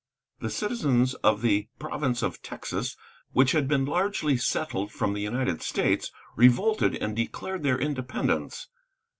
The citizens of the province of Texas, which had been largely settled from the United States, revolted and declared their independence.